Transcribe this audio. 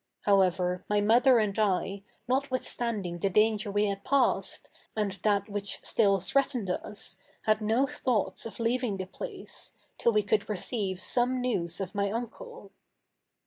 However, my mother and I, notwithstanding the danger we had passed, and that which still threatened us, had no thoughts of leaving the place, till we could receive some news of my uncle.